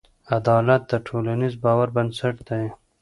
عدالت د ټولنیز باور بنسټ دی.